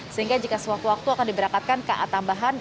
sehingga jika sewaktu waktu akan diberangkatkan ka tambahan